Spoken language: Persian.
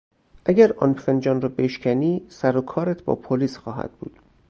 اگر آن فنجان را بشکنی سرو کارت با پلیس خواهد بود.